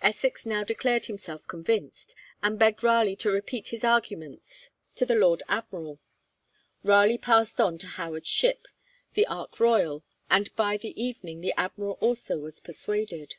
Essex now declared himself convinced, and begged Raleigh to repeat his arguments to the Lord Admiral. Raleigh passed on to Howard's ship, 'The Ark Royal,' and by the evening the Admiral also was persuaded.